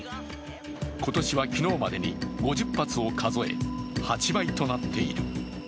今年は昨日までに５０発を数え、８倍となっている。